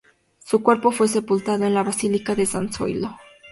Su cuerpo fue sepultado en la basílica de San Zoilo.